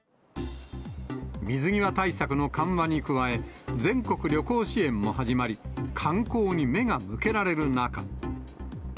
水際対策の緩和に加え、全国旅行支援も始まり、観光に目が向けられる中。